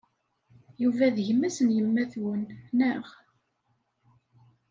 Yuba d gma-s n yemma-twen, naɣ?